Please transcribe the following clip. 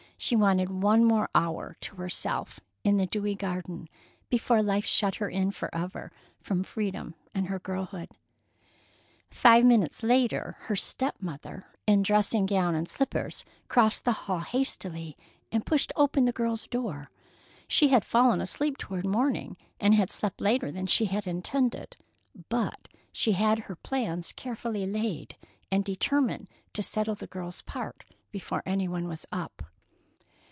She wanted one more hour to herself in the dewy garden, before life shut her in forever from freedom and her girlhood. Five minutes later, her step mother, in dressing gown and slippers, crossed the hall hastily and pushed open the girl's door. She had fallen asleep toward morning, and had slept later than she had intended. But she had her plans carefully laid, and determined to settle the girl's part before any one was up.